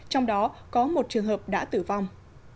trong đó có một trường hợp đã tử vong